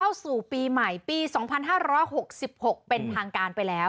เข้าสู่ปีใหม่ปี๒๕๖๖เป็นทางการไปแล้ว